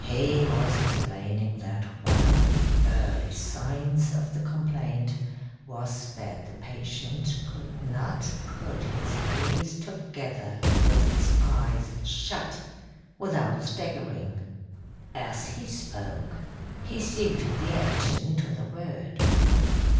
He was explaining that one of the early signs of the complaint was that the patient could not put his heels together with his eyes shut without staggering. As he spoke, he suited the action to the word.